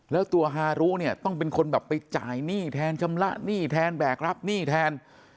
แล้วตัวฮารุเนี่ยต้องเป็นคนแบบไปจ่ายหนี้แทนชำระหนี้แทนแบกรับหนี้แทน